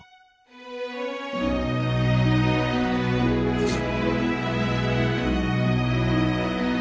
行くぞ。